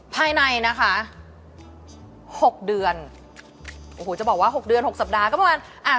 ภายในนะคะหกเดือนโอ้โหจะบอกว่าหกเดือนหกสัปดาห์ก็ประมาณอ่ะ